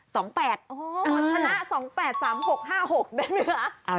ชนะ๒๘๓๖๕๖ได้ไหมคะ